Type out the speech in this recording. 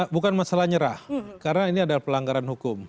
bukan masalah nyerah karena ini adalah pelanggaran hukum